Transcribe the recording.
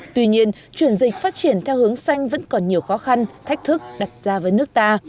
tuy nhiên chuyển dịch phát triển theo hướng xanh vẫn còn nhiều khó khăn thách thức đặt ra với nước ta